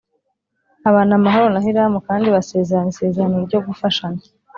abana amahoro na Hiramu kandi basezerana isezerano ryo gufashanya